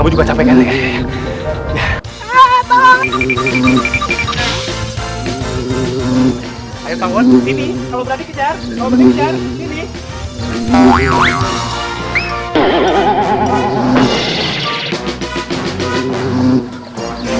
bukan bukan karena